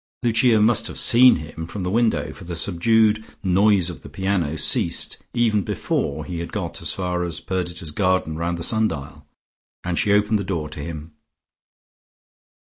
Lucia must have seen him from the window, for the subdued noise of the piano ceased even before he had got as far as Perdita's garden round the sundial, and she opened the door to him.